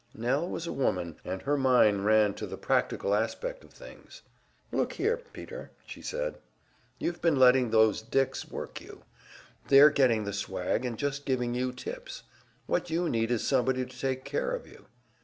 Nell was a woman, and her mind ran to the practical aspect of things. "Look here, Peter," she said, "you've been letting those `dicks' work you. They're getting the swag, and just giving you tips. What you need is somebody to take care of you."